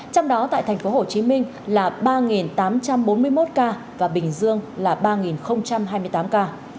trong đó tại thành phố hồ chí minh là ba tám trăm bốn mươi một ca và bình dương là ba hai mươi tám ca